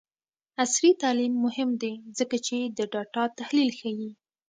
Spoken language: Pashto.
عصري تعلیم مهم دی ځکه چې د ډاټا تحلیل ښيي.